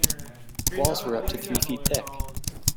Walls were up to three feet thick.